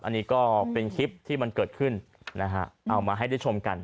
อันนี้ก็เป็นคลิปที่มันเกิดขึ้นนะฮะเอามาให้ได้ชมกัน